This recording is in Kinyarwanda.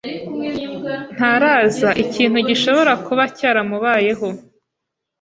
Ntaraza. Ikintu gishobora kuba cyaramubayeho.